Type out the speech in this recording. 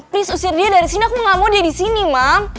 please usir dia dari sini aku gak mau dia disini mam